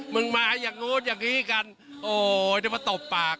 มึงมาอย่างโน๊ตอย่างนี้กันโอ๊ยได้มาตบปาก